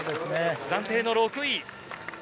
暫定６位。